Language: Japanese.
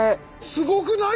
すごくない？